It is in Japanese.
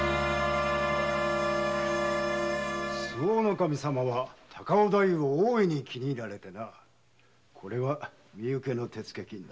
守様は高尾太夫を大いに気に入られてなこれは身請けの手付金だ。